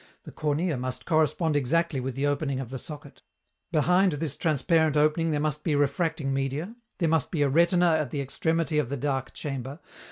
the cornea must correspond exactly with the opening of the socket;... behind this transparent opening there must be refracting media;... there must be a retina at the extremity of the dark chamber